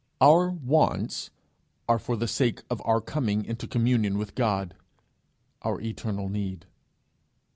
Our wants are for the sake of our coming into communion with God, our eternal need.